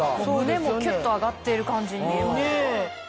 胸もキュっと上がってる感じに見えますよ。